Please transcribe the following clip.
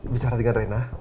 bicara dengan rena